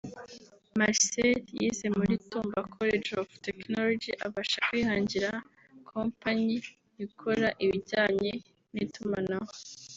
Marcel yize muri Tumba College of Techonology abasha kwihangira kompanyi ikora ibijyanye n’itumanaho